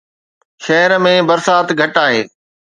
شهر ۾ برسات گهٽ آهي